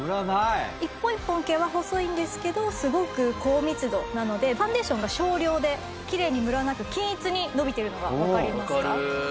一本一本毛は細いんですけどすごく高密度なのでファンデーションが少量できれいにムラなく均一にのびてるのがわかりますか？